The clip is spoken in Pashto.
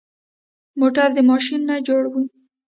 موټر د ماشین نه جوړ وي.